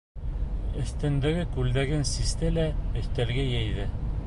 Өҫтөндәге күлдәген систе лә өҫтәлгә йәйҙе.